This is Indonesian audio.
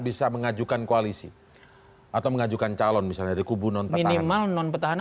bisa mengajukan koalisi atau mengajukan calon misalnya di kubu non petahana minimal non petahana